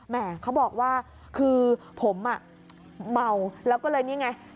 แม่เขาบอกว่าคือผมอ่ะเมาแล้วก็เลยนี่ไง